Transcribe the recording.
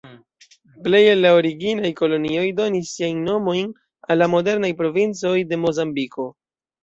Plej el la originaj kolonioj donis siajn nomojn al la modernaj provincoj de Mozambiko.